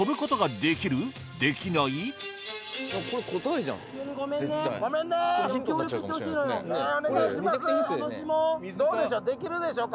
できるでしょうか？